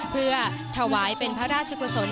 เพื่อถวายเป็นพระราชกุศล